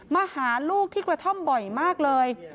มาหาลูกที่กระท่อมบ่อยมากเลย